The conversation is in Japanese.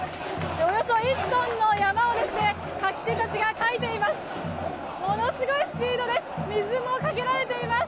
およそ１トンの山笠を舁き手たちがかいています。